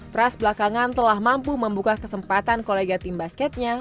pras belakangan telah mampu membuka kesempatan kolega tim basketnya